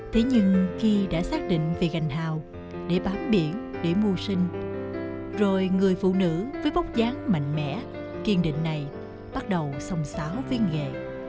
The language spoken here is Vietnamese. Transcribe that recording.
thế nhưng khi đã xác định về gành hào để bám biển để mua sinh rồi người phụ nữ với bốc dáng mạnh mẽ kiên định này bắt đầu sòng xáo viên ghệ